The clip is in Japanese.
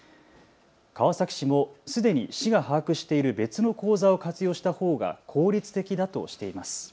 川崎市もすでに市が把握している別の口座を活用したほうが効率的だとしています。